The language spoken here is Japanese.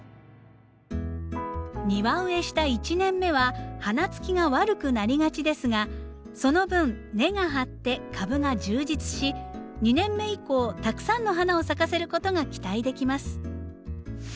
庭植えした１年目は花つきが悪くなりがちですがその分根が張って株が充実し２年目以降たくさんの花を咲かせることが期待できます。